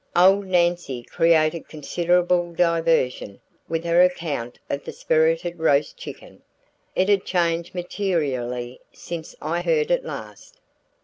Old Nancy created considerable diversion with her account of the spirited roast chicken. It had changed materially since I heard it last.